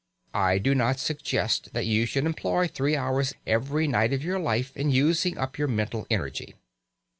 I do not suggest that you should employ three hours every night of your life in using up your mental energy.